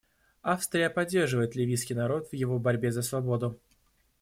Австрия поддерживает ливийский народ в его борьбе за свободу.